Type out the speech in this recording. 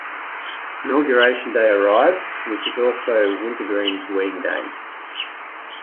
Inauguration day arrives, which is also Wintergreen's wedding day.